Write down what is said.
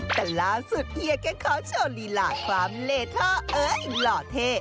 แต่ล่าสุดเฮียแกขอโชว์ลีลาความเลท่าเอ้ยหล่อเท่